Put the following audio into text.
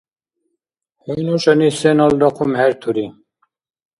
ХӀу нушани сеналра хъумхӀертури.